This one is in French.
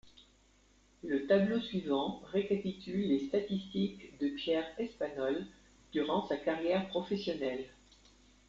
Le tableau suivant récapitule les statistiques de Pierre Espanol durant sa carrière professionnelle.